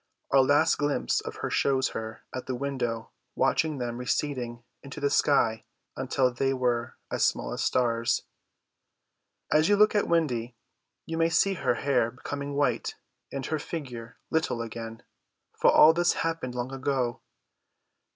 Our last glimpse of her shows her at the window, watching them receding into the sky until they were as small as stars. As you look at Wendy, you may see her hair becoming white, and her figure little again, for all this happened long ago.